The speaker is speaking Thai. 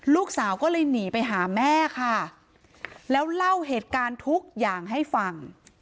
ลูกสาวก็เลยหนีไปหาแม่ค่ะแล้วเล่าเหตุการณ์ทุกอย่างให้ฟัง